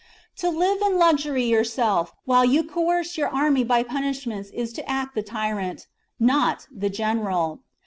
To live in luxury yourself while you coerce your army by punishments is to act the tyrant, not the general.